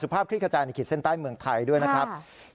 ภาพคลิกขจายในขีดเส้นใต้เมืองไทยด้วยนะครับ